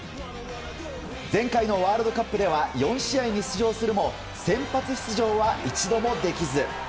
前回のワールドカップでは４試合に出場するも先発出場は一度もできず。